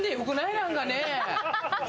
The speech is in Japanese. なんかね。